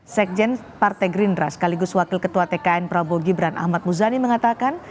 sekjen partai gerindra sekaligus wakil ketua tkn prabowo gibran ahmad muzani mengatakan